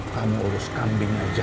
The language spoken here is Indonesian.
kamu urus kambing aja